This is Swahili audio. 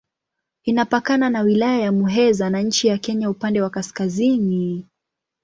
Inapakana na Wilaya ya Muheza na nchi ya Kenya upande wa kaskazini.